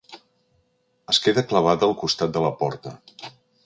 Es queda clavada al costat de la porta.